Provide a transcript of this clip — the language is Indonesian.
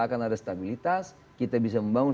akan ada stabilitas kita bisa membangun